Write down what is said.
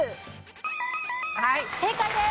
正解です。